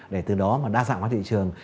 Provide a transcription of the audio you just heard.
để từ đó đa dạng hóa thị trường